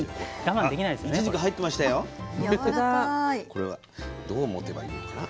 これはどう持てばいいのかな。